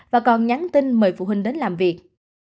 và còn nhắn tin mời phụ huynh đến làm việc